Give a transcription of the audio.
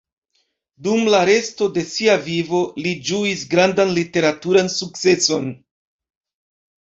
Dum la resto de sia vivo li ĝuis grandan literaturan sukceson.